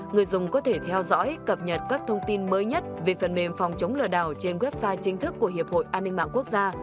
người dùng có thể theo dõi cập nhật các thông tin mới nhất về phần mềm phòng chống lừa đảo trên website chính thức của hiệp hội an ninh mạng quốc gia